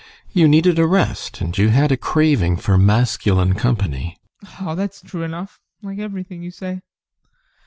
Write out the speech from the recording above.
You needed a rest, and you had a craving for masculine company. ADOLPH. Oh, that's true enough, like everything you say.